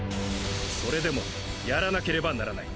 それでもやらなければならない。